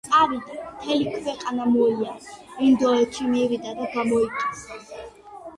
წავიდა, მთელი ქვეყანა მოიარა, ინდოეთში მივიდა და გამოიკითხა